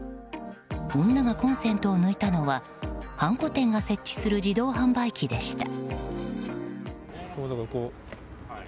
女がコンセントを抜いたのははんこ店が設置する自動販売機でした。